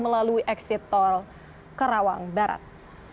exit tol ke rawang barat